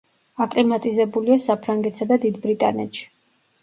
აკლიმატიზებულია საფრანგეთსა და დიდ ბრიტანეთში.